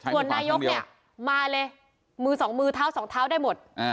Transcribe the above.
ส่วนนายกเนี่ยมาเลยมือสองมือเท้าสองเท้าได้หมด